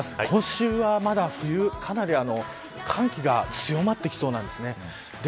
今週は、まだ冬かなり寒気が強まってきそうなんですね。